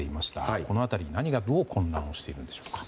この辺り、何がどう混乱しているんでしょうか。